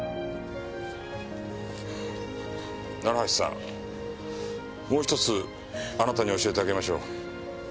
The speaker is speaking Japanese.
橋さんもうひとつあなたに教えてあげましょう。